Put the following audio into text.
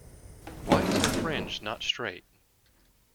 Why is her fringe not straight?